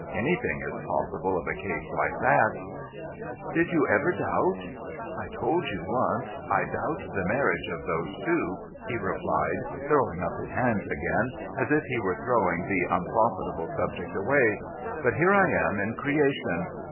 Anything is possible of a case like that,' ' Did you ever doubt ?'' I told you once, I doubt the marriage of those two,' he replied, throwing up his hands again, as if he were throwing the unprofitable 540 NO THOROUGHFARE subject away. ' But here I am in Creation.